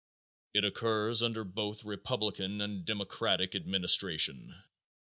It occurs under both republican and democratic administration.